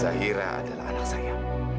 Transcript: zahira adalah anak saya